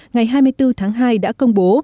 ngày hai mươi bốn tháng hai đã công bố